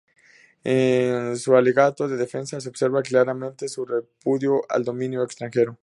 En su alegato de defensa se observa claramente su repudio al dominio extranjero.